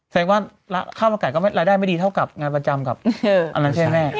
เซ็งว่าค่ามันไก่รายได้ไม่ดีเท่ากับงานประจำกับอันนั้นใช่ไหม